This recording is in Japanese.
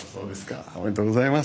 おめでとうございます。